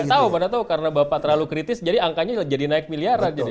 gak tau karena bapak terlalu kritis jadi angkanya jadi naik miliaran